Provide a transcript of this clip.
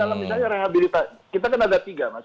misalnya kita kan ada tiga mas